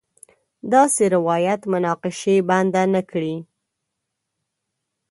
داسې روایت مناقشې بنده نه کړي.